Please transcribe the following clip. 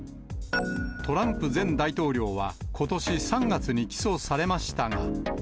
トランプ前大統領はことし３月に起訴されましたが。